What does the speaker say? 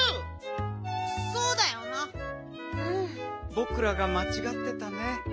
ぼくらがまちがってたね。